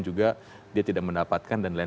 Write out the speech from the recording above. juga dia tidak mendapatkan dan lain